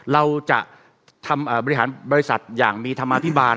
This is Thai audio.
เราจะทำบริหารบริษัทอย่างมีธรรมาภิบาล